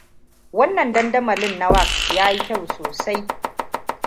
Wannan dandamalin na wax ya yi kyau sosai.